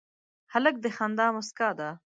هلک د خندا موسکا ده.